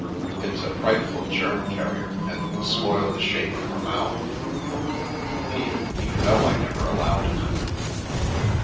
It's a frightful germ carrier and will spoil the shape of her mouth. Peter, you know I never allowed it."